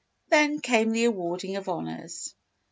Then came the awarding of Honours.